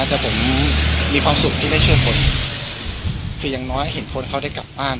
แต่ผมมีความสุขที่ได้ช่วยคนคืออย่างน้อยเห็นคนเขาได้กลับบ้าน